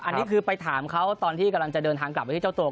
อันนี้คือไปถามเขาตอนที่กำลังจะเดินทางขลับมาพิชอศัตรู